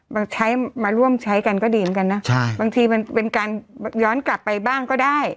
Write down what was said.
ใช้มาร่วมใช้กันก็ดีเหมือนกันนะบางทีมันเป็นการย้อนกลับไปบ้างก็ได้